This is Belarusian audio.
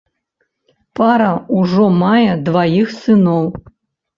Пара ўжо мае дваіх сыноў.